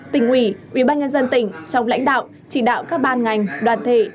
tỉnh ủy ubnd tỉnh trong lãnh đạo chỉ đạo các ban ngành đoàn thể